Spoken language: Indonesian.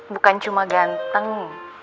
bukan cuma ganteng